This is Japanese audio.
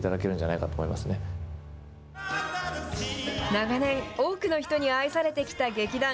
長年、多くの人に愛されてきた劇団。